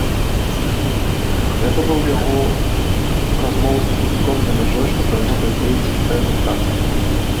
Гэта быў яго размову з пакупніком за мяжой, што прывяло да ідэі сістэмы цацак.